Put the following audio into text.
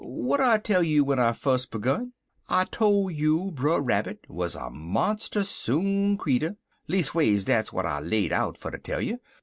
"W'at I tell you w'en I fus' begin? I tole you Brer Rabbit wuz a monstus soon creetur; leas'ways dat's w'at I laid out fer ter tell you.